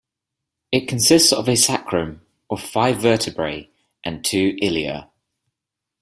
It consists of a sacrum, of five vertebrae, and two ilia.